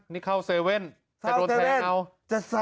นี่เข้าเซเว่นจะโดนแทงครับ